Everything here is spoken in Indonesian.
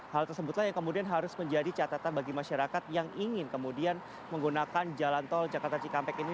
hal tersebutlah yang kemudian harus menjadi catatan bagi masyarakat yang ingin kemudian menggunakan jalan tol jakarta cikampek ini